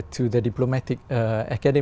tôi đã gửi một cuộc gặp nhau